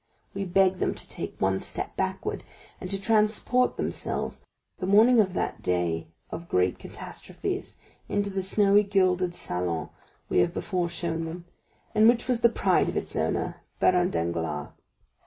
We beg them to take one step backward, and to transport themselves, the morning of that day of great catastrophes, into the showy, gilded salon we have before shown them, and which was the pride of its owner, Baron Danglars.